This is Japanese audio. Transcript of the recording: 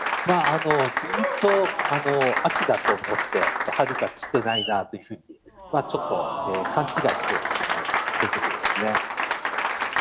ずーっと秋だと思って、春が来てないなというふうに、ちょっと勘違いしてしまうということですね。